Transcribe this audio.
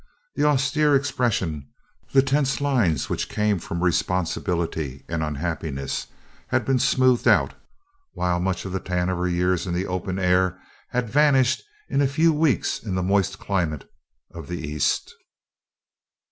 The austere expression, the tense lines which came from responsibility and unhappiness had been smoothed out, while much of the tan of her years in the open air had vanished in a few weeks in the moist climate of the east.